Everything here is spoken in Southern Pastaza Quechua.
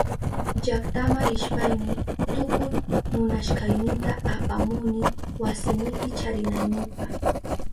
Llaktama rishpayni tukuy munashkaynita apamuni wasinipi charinaynipa.